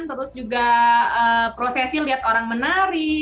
terus juga prosesi lihat seorang menari